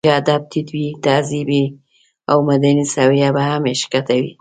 که ادب ټيت وي، تهذيبي او مدني سويه به هم ښکته وي.